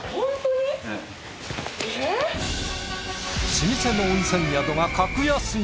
老舗の温泉宿が格安に！